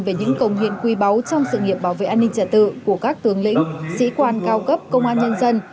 về những công hiến quy báu trong sự nghiệp bảo vệ an ninh trả tự của các tướng lĩnh sĩ quan cao cấp công an nhân dân